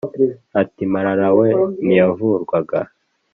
Ati « Marara we ntiyavurwaga,